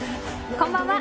こんばんは。